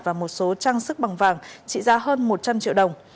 và một số trang sức bằng vàng trị giá hơn một trăm linh triệu đồng